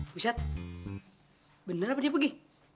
pusat bener apa dia pergi